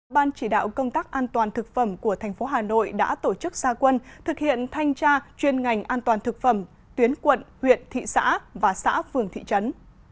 ban chỉ đạo công tác an toàn thực phẩm của thành phố hà nội đã tổ chức gia quân thực hiện thanh tra chuyên ngành an toàn thực phẩm tuyến quận huyện thị xã và xã phường thị trấn